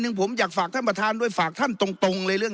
ผมอยากฝากท่านประธานด้วยฝากท่านตรงเลยเรื่อง